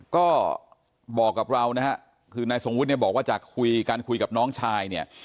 ก็บอกกับเรานะฮะคือนายทรงวุฒิเนี่ยบอกว่าจากคุยกันคุยกับน้องชายเนี่ย